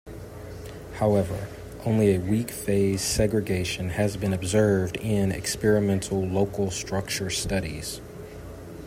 However, only a weak phase segregation has been observed in experimental local structure studies.